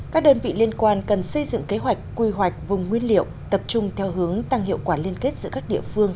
các đơn vị liên quan cần xây dựng kế hoạch quy hoạch vùng nguyên liệu tập trung theo hướng tăng hiệu quả liên kết giữa các địa phương